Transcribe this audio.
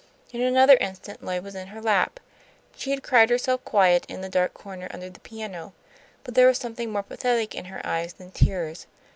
In another instant Lloyd was in her lap. She had cried herself quiet in the dark corner under the piano; but there was something more pathetic in her eyes than tears.